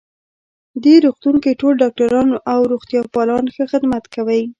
دې روغتون کې ټول ډاکټران او روغتیا پالان ښه خدمت کوی